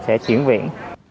sẽ chuyển viện